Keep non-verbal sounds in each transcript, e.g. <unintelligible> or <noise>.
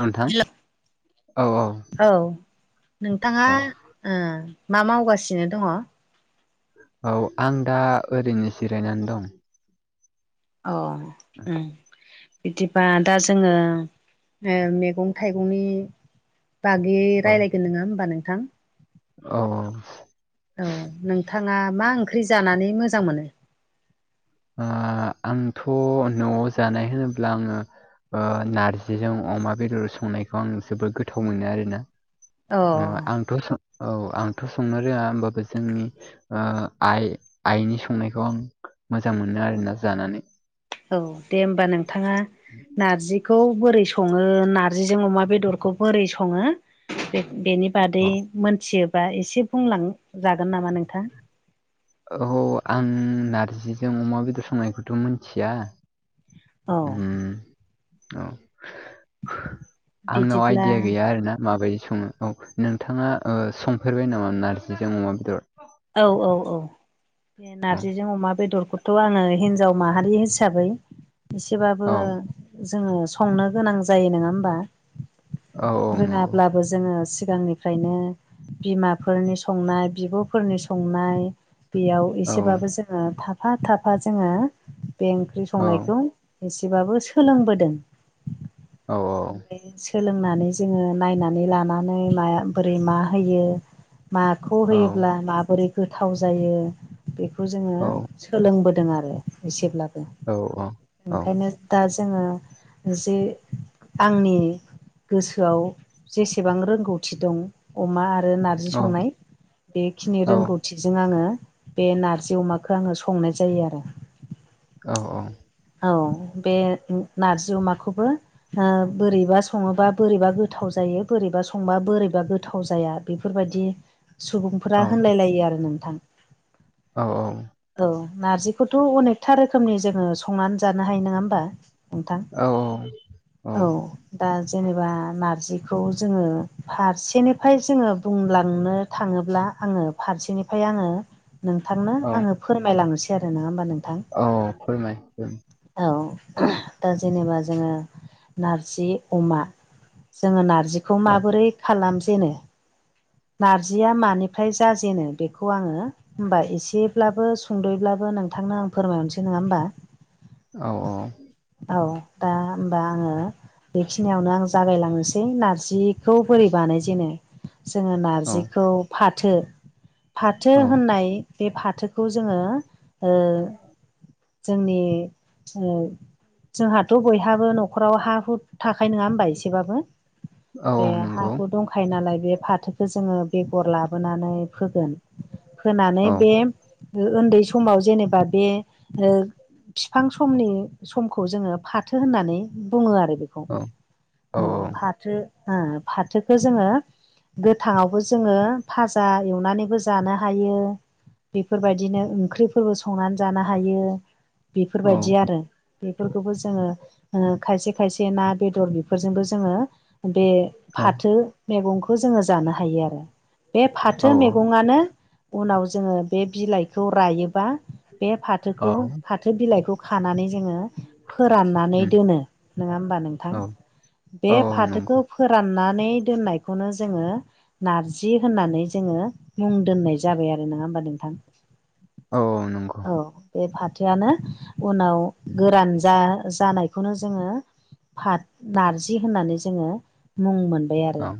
नोंथां हेल' औ नोंथाङा औ मा मावगासिनो दङ। औ आं दा ओरैनो जिरायनानै दं। अ बिदिबा दा जोङो मैगं थाइगंनि बागै रायज्लायगोन नङा होमबा नोंथां। अ औ नोंथाङा मा ओंख्रि जानानै मोजां मोनो? आंथ' न'आव जानाय होनोब्ला आङो नारजिजों अमा बेदर संनायखौ आं जोबोद गोथाव मोनो आरोना। अ आंथ' औ आंथ' संनो रोङा होमबाबो जोंनि आइ आइनि संनायखौ आं मोजां मोनो आरोना जानानै। औ दे होमबा नोंथाङा नारजि बेखौ बोरै सङो नार्जिजों अमा बेदरखौ बोरै सङो बेनि बादै औ मोनथियोबा एसे बुंलांजागोन नामा नोंथां। औ आं नारजिजों अमा बेदर संनायखौथ' मिथिया <inaudible> औ आंनाव बिदिब्ला आइदिया गैया आरोना माबायदि सङो औ नोंथाङा संफेरबाय नामा नारजिजों अमा बेदर औ औ औ बे औ नारजिजों अमा बेदरखौ थ' आङो हिनजाव माहारि हिसाबै एसेबाबो औ जोङो संनो गोनां जायो नङा होमबा औ औ नंगौ रोङाब्ला जोंडों सिगांनिफ्रयनो बिमानि संनाय बिबफोरनि फोरनि संनाय बेयाव औ एसेबाबो जोङो थाफा थाफा जोङो बे ओंख्रि औ संनायखौ एसेबाबो सोलोंबोदों औ औ ओमफ्राय सोलोंनानै जोङो नायनानै लानानै मा बोरै मा होयो। माखौ औ होयोब्ला माबोरै गोथाव जायो बेखौ जोङो औ सोलोंबोदों आरो एसेब्लाबो औ औ ओंखायनो दा जोङो जे आंनि गोसोआव जेसेबां रोंगौथि दं अमा आरो नारजि संनाय औ बेखिनि औ रोंगौथिजों आङो बे नारजि अमाखौ आङो संनाय जायो आरो। औ औ। औ बे नारजि अमाखौबो। बोरैबा सङोबा बोरैबा गोथाव जायो बोरैबा संबा बोरैबा गोथाव जाया आरो। बेफोरबायदि सुबुंफोरा औ होनलायलायो आरो नोंथां औ नार्जिखौथ' अनेखथा रोखोमनि जोङो संनानै जानो हायो नङा होमबा। नोंथां औ औ दा जेनेबा नारजिखौ जोङो फारसेनिफ्राय जोङो बुंलांनो। थाङोब्ला आङो फारसेनिफ्राय आङो नोंथांनो औ आङो। फोरमायलांनोसै आरो नङा होमबा नोंथां। औ फोरमाय औ दा जेनेबा जोङो नारजि अमा। जोङो नारजिखौ औ माबोरै खालाम जेनो नारजिया मानिफ्राय जाजेनो बेखौ आङो होमबा एसेब्लाबो सुंद'यब्लाबो नोंथांनो आं फोरमायहरनोसै नङा होमबा। औ औ औ दा होनबा आङो बेखिनियावनो आं जागायलांनोसै नारजिखौ बोरै बानायजेनो जोङो औ नारजिखौ फाथो फाथो औ होननाय बे फाथोखौ जोङो जोंनि जोंहाथ' बयहाबो न'खराव हा हु थाखाय नङा होनबा एसेबाबो बे औ हा नंगौ हु दंखायो नालाय बे फाथोखौ जोङो बेगर लाबोनानै फोगोन होनानै औ बे उन्दै समाव जेनेबा बे बिफां समनि समखौ जोङो फाथो होननानै बुङो आरो बेखौ औ औ फाथो फाथोखौ जोङो गोथाङावबो जोङो फाजा एवनानैबो जानो हायो बेफोरबायदिनो ओंख्रिफोरबो संनानै जानो हायो औ बेफोरबायदि आरो बेफोरखौबो जोङो खायसे खायसे ना बेदर बेफोरजोंबो जोङो बे फाथो मैगंखौ जोङो जानो हायो आरो बे फाथो औ मैगङानो उनाव जोङो बे बिलाइखौ रायोबा बे औ फाथोखौ फाथो बिलाइखौ खानानै जोङो फोराननानै उम, दोनो नङा होमबा नोंथां औ बे औ नंगौ फाथोखौ फोराननानै दोननायखौनो जोङो नारजि होननानै जोङो मुं दोननाय जाबाय आरो नङा होमबा नोंथां? औ औ नंगौ औ बे फा थोयानो उनाव उम, गोरान जा जानायखौनो जोङो फाथ नारजि होननानै जोङो मुं मोन बाय आरो औ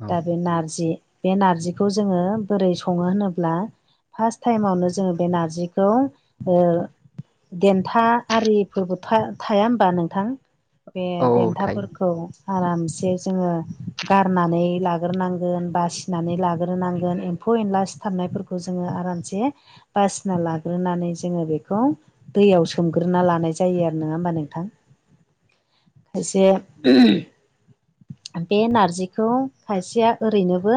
औ दा बे नारजि बे नारजिखौ जोङो बोरै सङो होनोब्ला फार्स्ट टाइमावनो जोङो बे नारजिखौ देन्था आरिफोरबो थाया होमबा नोंथां? बे औ थायो देन्थाफोरखौ आरामसे जोङो गारनानै लाग्रोनांगोन बासिनानै लाग्रोनांगोन एम्फौ एनला सिथाबनायफोरखौ जोङो आरामसे बासिना लाग्रोनानै जोङो बेखौ दैयाव सोमग्रोना लानाय जायो आरो नङा होमबा नोंथां? एसे बे नारजिखौ खायसेया ओरैनोबो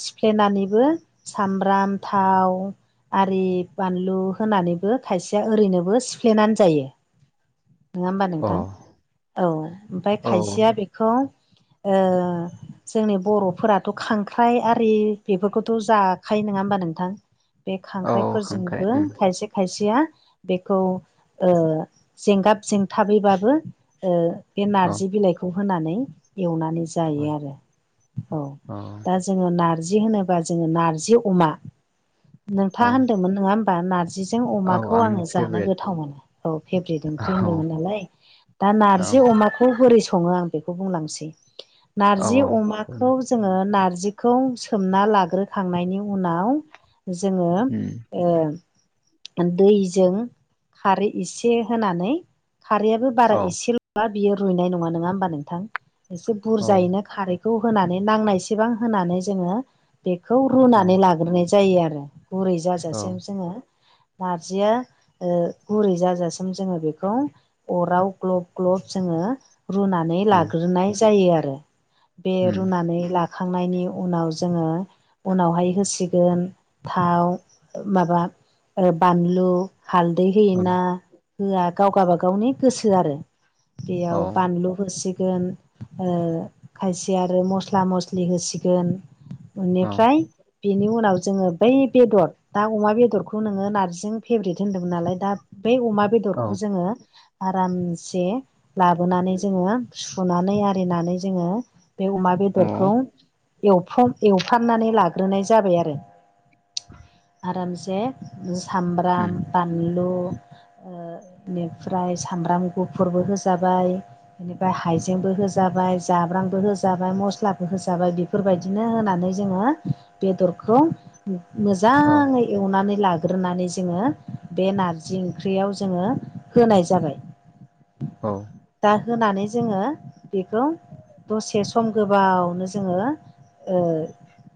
सिफ्लेनानैबो सामब्राम थाव आरि बानलु होनानैबो खायसेया ओरैनोबो सिफ्लेनानै जायो नङा होमबा अ नोंथां औ ओमफ्राय औ खायसेया बे खौ ओ जोंनि बर'फोराथ' खांख्राइ आरि बेफोरखौथ' जाखायो नङा होमबा नोंथां? बे औ खांख्राइ खांख्राइफोरजोंबो उम खायसे खायसेया बेखौ जेंगाब जेंथाबैबाबो ओ बे औ नारजि बिलाइखौ होनानै एवनानै जायो औ आरो औ दा जोङो नारजि होनोबा जोङो नारजि अमा नोंथाङा औ होनदोंमोन नङा होमबा नार जिजों औ अमाखौ आङो आंनि जानो फेभरेट गोथाव मोनो औ फेब्रिट ओंख्रि औ होनदोंमोन नालाय दा औ नारजि अमाखौ बोरै सङो आं बेखौ बुंलांसै औ नारजि उम अमाखौ जोङो नारजिखौ सोमना लाग्रोखांनायनि उनाव जोङो उम ओ दैजों खारै एसे होनानै खारैयाबो बारा औ एसेल' बा बियो रुइनाय नङा नङा होमबा नोंथां एसे औ बुरजायैनो खारै खौ होनानै नांनायसेबां होनानै जोङो बेखौ औ रुनानै लाग्रोनाय जा जायो आरो गुरै औ जाजासिम जोङो नारजिया गुरै जाजासिम जोङो बेखौ अराव ग्लब ग्लब जोङो रुना नानै औ लाग्रोनाय जायो आरो बे उम रुनानै ला‌ खांनायनि उनाव जोङो उनावहाय होसिगोन थाव माबा बानलु हालदै औ होयोना होआ गाव गाबागावनि गोसो आरो। बेयाव औ बानलु होसिगोन खायसे आरो मस्ला मस्लि होसिगोन बेनिफ्राय बेनि उनाव जोङो बै बेदर दा अमा बेदरखौ खौ नोङो नारजि फेभब्रेट होन्दोंमोन नालाय दा बै अमा औ बेदरखौ जोङो आरामसे लाबोनानै जोङो सुनानै आरिनानै जोङो बे अमा बेदरखौ उम एवफाम एवफामनानै लाग्रोनाय जाबाय आरो आरामसे सामब्राम बानलु बेनिफ्राय सामब्राम गुफुरबो होजाबाय बेनिफ्राय हाइजेंबो होजाबाय जाब्रामबो होजाबाय मस्लाबो होजाबाय बे बेफोरबायदिनो होनानै जोङो बेदरखौ औ मोजाङै एवनानै लाग ग्रोनानै जोङो बे नारजि ओंख्रियाव जोङो होनाय जाबाय। औ दा होनानै जोङो बेखौ दसे सम गोबावनो जोङो ओ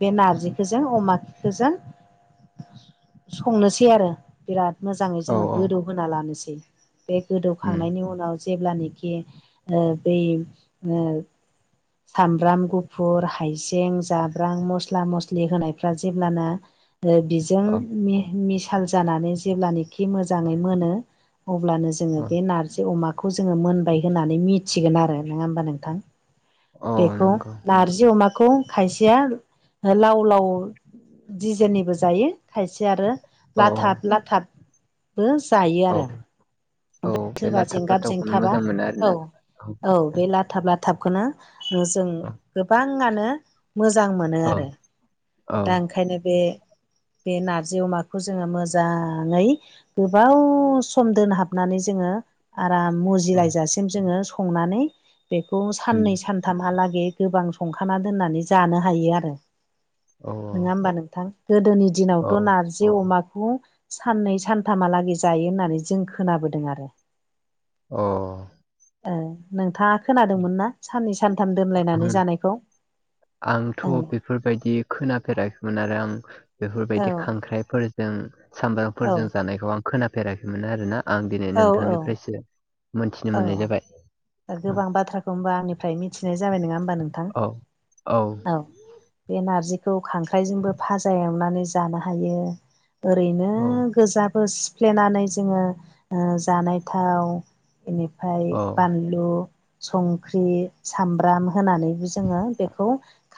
बे नारजिखो जों अमाखो जों संनोसै आरो बिराद मोजाङै जोङो गोदौहोना लानोसै। बे उम गोदौखांनायनि उनाव जेब्लानोखि ओ बै ओ सामब्राम गुफुर, हाइजें, जाब्रां, मस्ला मस्लि होनायफ्रा जेब्लाना ओ बिज जों औ मि मिसाल जानानै जेब्लनोखि मोजाङै मोनो अब्लानो जो जोङो औ बे नारजि अमाखौ जोङो मोनबाय होननानै मिथिगोन आरो नोङा होमबा नोंथां। औ बेखौ नंगौ नारजि अमाखौ खायसेया लाव लाव दिजेननिबो जायो खायसे आरो औ लाथाब लाथाब बो जायो औ आरो औ ओमफाय बे सोरबा लाथाब जेंगाब लाथाबखौनो जेंथाबा मोजां मोनो औ आरोना जों औ बे लाथाब लाथाबखोनो जों औ गोबाङानो मोजां मोनो औ आरो। औ दा ओंखायनो बे बे नारजि अमाखो जोङो मोजाङै गोबाव सम दोनहाबनानै जोङो आराम मुज औ जिलाइजासिम जोङो संनानै बेखौ उम साननै सान थामहालागै गोबां संखाना दोननानै जानो हायो आरो। औ नोङा होमबा नोंथां गोदोनि औ दिनावथ' नार जि अमाखौ साननै सानथामालागै जायो होननानै जों खोनाबोदों आरो। अ ओ नोंथाङा खोनादोंमोन ना साननै सानथाम दोनलायनानै आं जानायखौ? आंथ' ओं बेफोरबायदि खोनाफेराखैमोन आरो आं बेफोरबायदि औ खांख्राइफोरजों सामब्रामफोरजों औ जानायखौ आं खोनाफेराखैमोन आरोना आं दिनै औ औ नोंथांनिफ्रायसो मोनथिनो मोननाय जाबाय औ गोबां बाथ्राखौ होमबा आंनिफ्राय मिथिनाय जाबाय नोङा होमबा नोंथां? औ औ। औ बे नारजिखौ खांख्राइजोंबो भाजा एवनानै जानो हायो ओरैनो औ। गोजाबो सिफ्लेनानै जोङो ओ जानाय थाव बिनिफाय औ बान लु, संख्रि, सामब्राम होनानैबो जोङो बेखौ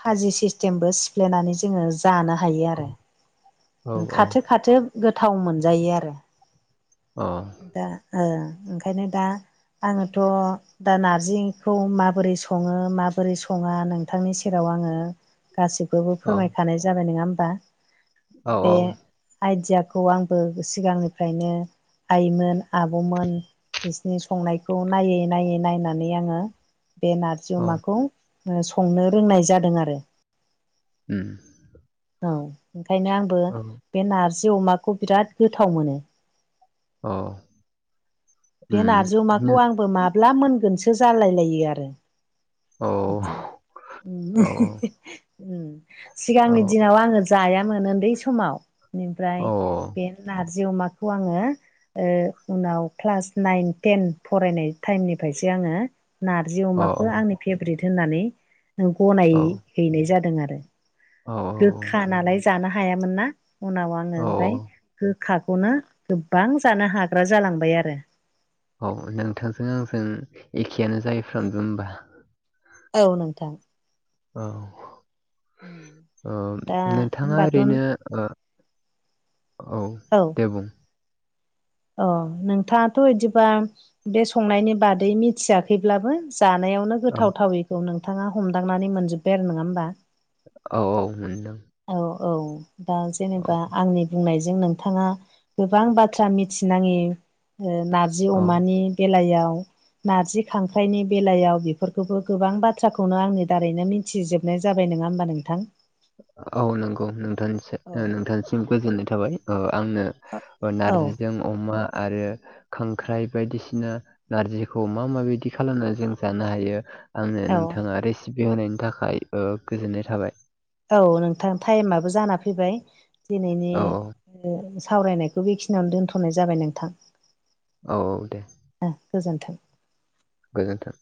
खाजि सिस्टेमबो सिफ्लेनानै जोङो जानो हायो आरो। औ खाथो खाथो गोथाव मोनजायो आरो। अ। दा ओ ओंखायनो दा आङोथ' दा नारजिखौ माबोरै सङो माबोरै सङा नोंथांनि सेराव आङो गासिखोबो औ फोरमायखानाय जाबाय नोङा होमबा औ बे आइदियाखौ आंबो सिगांनिफ्रायनो आइमोन, आब'मोन बिसनि संनायखौ नायै नायै नायनानै आङो बे नारजि औ अमाखौ ओ संनो रोंनाय जादों आरो। ओम औ ओंखायनो आंबो औ बे नारजि अमाखौ बिराद गोथाव मोनो अ ओम नो बो माब्ला मोनगोनसो जालायलायो आरो औ बिदि औ <unintelligible> ओम औ सिगांनि दिनाव आङो जायामोन उन्दै समाव बिनिफ्राय औ बे नारजि अमाखौ आङो ओ उनाव क्लास नाइन टेन फरायनाय टाइमनिफायसो आङो नारजि औ अमाखो आंनि फेबरेट होननानै नो गनायहैनाय जादों आरो औ गोखा नालाय जानो हायामोन ना उनाव औ आङो ओमफ्राय गोखाखौनो गोबां जानो हाग्रा जालांबाय आरो औ नोंथांजों आंजों एखेयानो जायोफ्रामो होमबा औ नोंथां औ नोंथां औ दा नोंथाङा होमबाथ' ओरैनो ओ औ औ दे बुं अ नोंथाङाथ' बिदिबा बे संनायनि बादै मिथिया थैब्लाबो जानायावनो औ गोथाव थावैखौ नोंथाङा हमदांनानै मोनजोबबाय आरो नङा होमबा औ औ ओरैनो दों औ औ दा जेनेबा आंनि बुंनायजों नोंथाङा गोबां बाथ्रा मिथिनाङि ओ नारजि औ अमानि बेलायाव नारजि खांख्राइनि बेलायाव बेफोरखौबो गोबां बाथ्राखौनो आंनि दारैनो मि मिथिजोबनाय जाबाय नङा होमबा नोंथां औ नंगौ नोंथां औ नोंथांनिसिम गोजोननाय थाबाय ओ आंनो औ नारजिजों अमा आरो खांख्राइ बायदिसिना नारजिखौ मा माबायदि खालामनानै जों जानो हायो आंनो औ नोंथाङा रेसिपि होनायनि थाखाय ओ गोजोननाय थाबाय औ नोंथां टाइमाबबो जाना फैबाय दिनैनि औ सावरायनायखौ बेखिनियावनो दोनथ'नाय जाबाय नोंथां औ औ दे गोजोन्थों गोजोन्थों